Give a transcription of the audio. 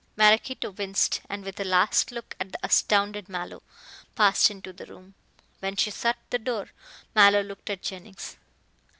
Maraquito winced, and with a last look at the astounded Mallow, passed into the room. When she shut the door Mallow looked at Jennings.